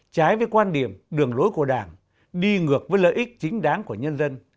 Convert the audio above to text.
trái với quan điểm đường lối của đảng đi ngược với lợi ích chính đáng của nhân dân